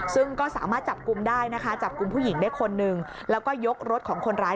ซึ่งก็สามารถจับกุมได้จับกุมผู้หญิงได้คนหนึ่ง